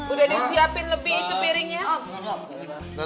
udah disiapin lebih itu piringnya